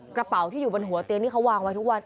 กระเป๋าที่อยู่บนหัวเตียงที่เขาวางไว้ทุกวัน